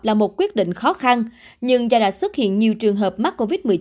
là một quyết định khó khăn nhưng do đã xuất hiện nhiều trường hợp mắc covid một mươi chín